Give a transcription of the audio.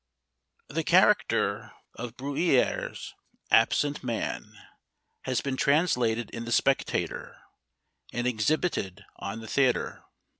The character of Bruyère's "Absent Man" has been translated in the Spectator, and exhibited on the theatre.